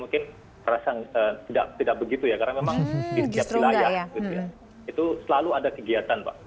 mungkin perasaan tidak begitu ya karena memang di setiap wilayah itu selalu ada kegiatan pak